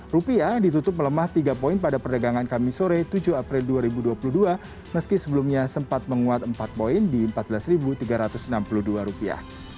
rupiah ditutup melemah tiga poin pada perdagangan kami sore tujuh april dua ribu dua puluh dua meski sebelumnya sempat menguat empat poin di empat belas tiga ratus enam puluh dua rupiah